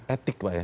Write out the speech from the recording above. etik pak ya